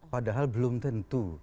padahal belum tentu